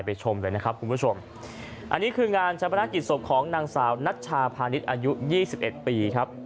ไปชมเลยนะครับคุณผู้ชมอันนี้คืองานจัดประนักกิจศพของนางสาวนัชชาพาณิชย์อายุ๒๑ปีครับ